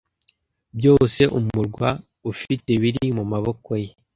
byose Umurwa ufitebiri mumaboko ye